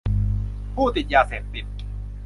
ผู้ติดยาเสพติด